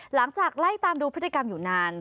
หลังจากไล่ตามดูพฤติกรรมอยู่นาน